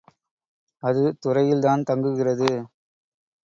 அது துறையில்தான் தங்குகிறது.